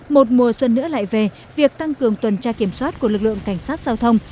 một mùa xuân nữa lại về việc tăng cường tuần tra kiểm soát của lực lượng cảnh sát giao thông